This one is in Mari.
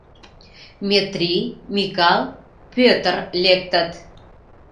Метри, Микал, Пӧтыр лектыт.